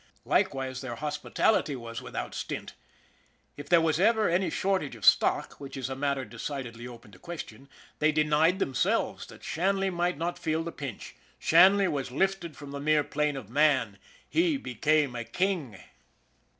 Likewise, their hospitality was without stint. If there was any shortage of stock which is a matter decidedly open to question they denied themselves that Shanley might not feel the pinch. Shanley was lifted from the mere plane of man he became a king.